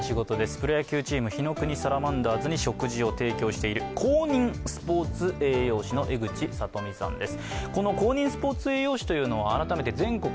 プロ野球チーム、火の国サラマンダーズに食事を提供している公認スポーツ栄養士の江口さとみさんです。